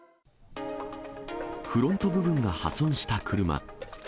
フロント部分が破損した車。